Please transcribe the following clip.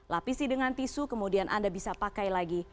lapisi dengan tisu kemudian anda bisa pakai lagi